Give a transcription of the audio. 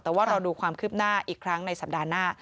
แต่ว่ารอดูความคืบหน้าอีกครั้งในสัปดาห์หน้า